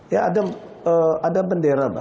ya ada bendera mbak